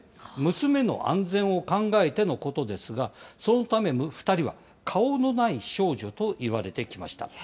娘の安全を考えてのことですが、そのため２人は、顔のない少女といわれてきました。